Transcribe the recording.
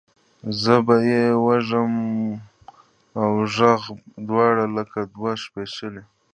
زه به یې وږم اوږغ دواړه لکه دوه سپیڅلي،